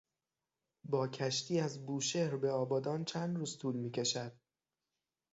با کشتی از بوشهر به آبادان چند روز طول میکشد؟